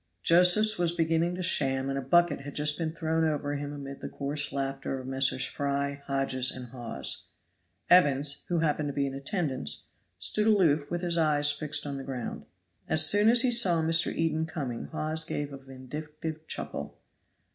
Josephs was beginning to sham and a bucket had just been thrown over him amid the coarse laughter of Messrs. Fry, Hodges and Hawes. Evans, who happened to be in attendance, stood aloof with his eyes fixed on the ground. As soon as he saw Mr. Eden coming Hawes gave a vindictive chuckle.